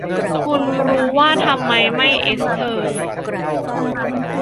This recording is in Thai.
คุณรู้ว่าทำไมไม่ เอสเธอร์